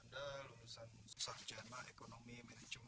anda lulusan sajjana ekonomi medijunggu